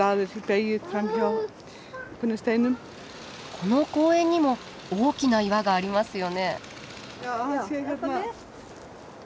この公園にも大きな岩がありますよね。